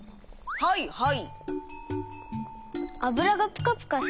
はいはい。